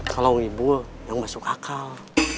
bukan akan masuk akal